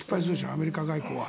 アメリカ外交は。